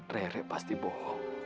rerek pasti bohong